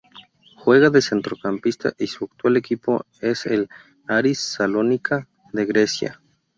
Juega de Centrocampista y su actual equipo es el Aris Salónica de Grecia.